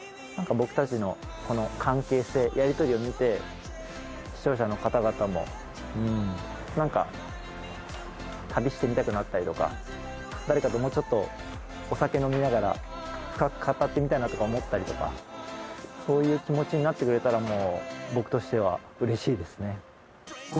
何か僕たちのこの関係性やりとりを見て視聴者の方々も何か旅してみたくなったりとか誰かともうちょっとお酒飲みながら深く語ってみたいなとか思ったりとかそういう気持ちになってくれたら僕としてはうれしいですね。